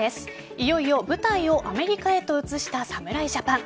いよいよ舞台をアメリカへと移した侍ジャパン。